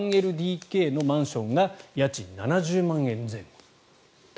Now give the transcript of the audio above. １ＬＤＫのマンションが家賃７０万円前後。